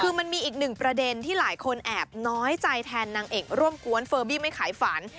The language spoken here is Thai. คือมันมีอีกหนึ่งประเด็นที่หลายคนแอบน้อยใจแทนนางเอกร่วมกวนเฟอร์บี้ไม่ขายฝัน